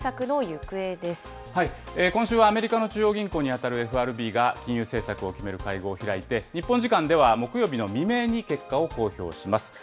ア今週はアメリカの中央銀行に当たるＦＲＢが金融政策を決める会合を開いて、日本時間では木曜日の未明に結果を公表します。